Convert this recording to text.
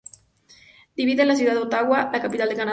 Divide la ciudad de Ottawa, la capital de Canadá.